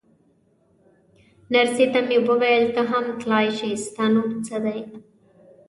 نرسې ته مې وویل: ته هم تلای شې، ستا نوم څه دی؟